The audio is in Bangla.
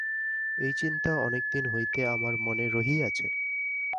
এই চিন্তা অনেক দিন হইতে আমার মনে রহিয়াছে।